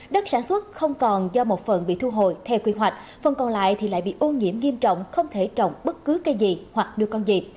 đất sản xuất không còn do một phần bị thu hồi theo quy hoạch phần còn lại thì lại bị ô nhiễm nghiêm trọng không thể trồng bất cứ cây gì hoặc đưa con gì